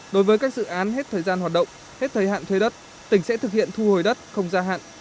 đối với các dự án hết thời gian hoạt động hết thời hạn thuê đất tỉnh sẽ thực hiện thu hồi đất không gia hạn